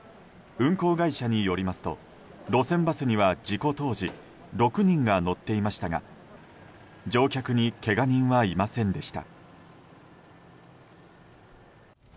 運行会社によりますと路線バスには事故当時６人が乗っていましたが乗客にけが人はいませんでした。